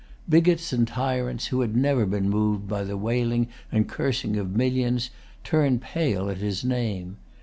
Bigots and tyrants, who had never been moved by the wailing and cursing of millions, turned pale at his name.